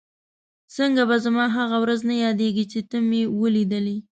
څنګه به زما هغه ورځ نه یادېږي چې ته مې ولیدلې؟